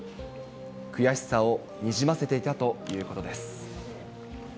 悔しさをにじませていたということです。